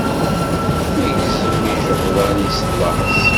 Igzem ijeɣdan-is laẓ.